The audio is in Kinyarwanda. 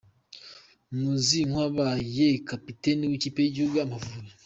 Muzi nk’uwabaye kapiteni w’ikipe y’igihugu Amavubi.